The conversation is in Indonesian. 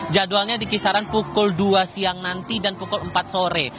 jadwalnya di kisaran pukul dua siang nanti dan pukul empat sore